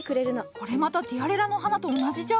これまたティアレラの花と同じじゃ。